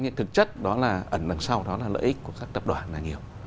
nhưng thực chất đó là ẩn đằng sau đó là lợi ích của các tập đoàn là nhiều